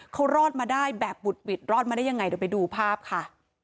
เขารอดมาได้แบบบุดหวิดรอดมาได้ยังไงเดี๋ยวไปดูภาพค่ะ